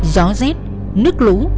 gió rét nước lũ